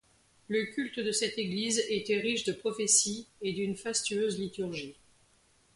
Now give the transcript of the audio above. Le culte de cette église était riche de prophéties et d'une fastueuse liturgie.